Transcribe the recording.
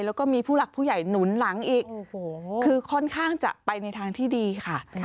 แล้วก็มีผู้หลักผู้ใหญ่หนุนหลังอีกคือค่อนข้างจะไปในทางที่ดีค่ะ